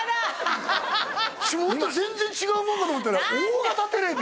ちょっと全然違うもんだと思ったら大型テレビ？